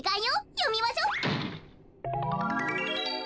よみましょ。